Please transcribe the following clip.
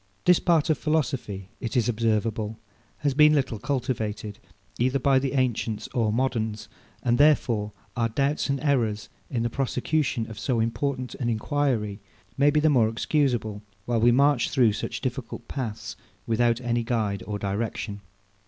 This part of philosophy, it is observable, has been little cultivated, either by the ancients or moderns; and therefore our doubts and errors, in the prosecution of so important an enquiry, may be the more excusable; while we march through such difficult paths without any guide or direction.